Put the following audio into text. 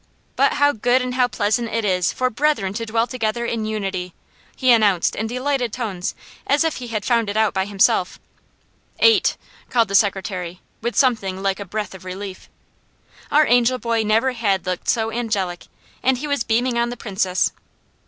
"But how good and how pleasant it is for brethren to dwell together in unity," he announced in delighted tones as if he had found it out by himself. "Eight," called the secretary with something like a breath of relief. Our angel boy never had looked so angelic, and he was beaming on the Princess.